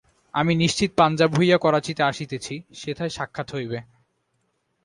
আমি নিশ্চিত পাঞ্জাব হইয়া করাচিতে আসিতেছি, সেথায় সাক্ষাৎ হইবে।